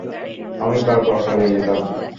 আমি বারবার পালিয়ে যেতাম।